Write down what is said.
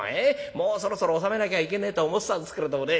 もうそろそろ納めなきゃいけねえと思ってたんですけれどもね